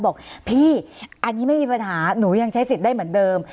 บอกพี่อันนี้ไม่มีปัญหาหนูยังใช้สิทธิ์ได้เหมือนเดิม